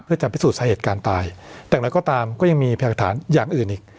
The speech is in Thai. เพื่อจะพิสูจน์สาเหตุการตายอย่างไรก็ตามก็ยังมีพยากฐานอย่างอื่นอีก